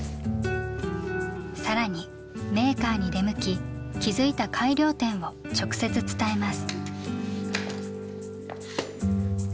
さらにメーカーに出向き気付いた改良点を直接伝えます。